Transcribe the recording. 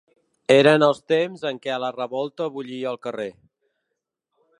Eren els temps en què la revolta bullia al carrer.